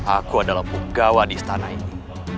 aku adalah punggawa di istana ini